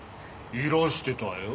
いらしてたよ？